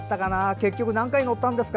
結局、何回乗ったんですか？